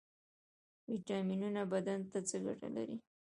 ویټامینونه بدن ته څه ګټه لري؟